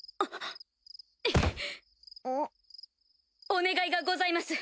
お願いがございます！